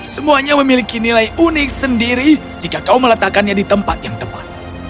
semuanya memiliki nilai unik sendiri jika kau meletakkannya di tempat yang tepat